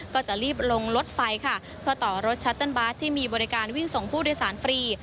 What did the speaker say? ก็จะรีบลงรถไฟค่ะเพื่อต่อรถชัตเติ้ลบาสที่มีบริการวิ่งส่งผู้โดยสารฟรี